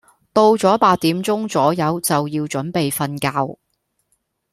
到左八點鐘左右就要準備瞓覺